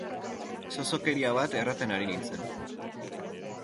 Zozokeria bat erraten ari nintzen.